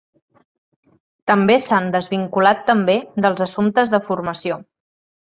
També s’han desvinculat també dels assumptes de formació.